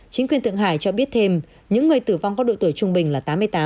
chính quyền thượng hải cho biết thêm những người tử vong có độ tuổi trung bình là tám mươi tám